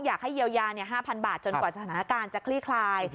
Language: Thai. อยากให้เยียวยา๕๐๐บาทจนกว่าสถานการณ์จะคลี่คลาย